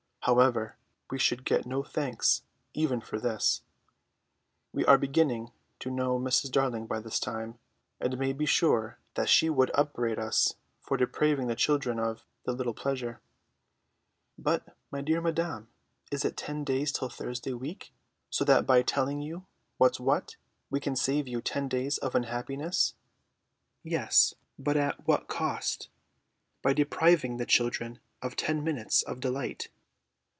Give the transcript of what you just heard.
However, we should get no thanks even for this. We are beginning to know Mrs. Darling by this time, and may be sure that she would upbraid us for depriving the children of their little pleasure. "But, my dear madam, it is ten days till Thursday week; so that by telling you what's what, we can save you ten days of unhappiness." "Yes, but at what a cost! By depriving the children of ten minutes of delight."